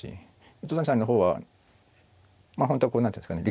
糸谷さんの方はまあ本当はこう何ていうんですかね